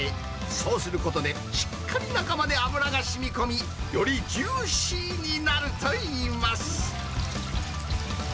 そうすることで、しっかり中まで油がしみこみ、よりジューシーになるといいます。